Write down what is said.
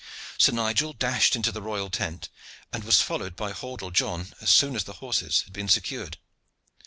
Sir Nigel dashed into the royal tent, and was followed by Hordle John as soon as the horses had been secured.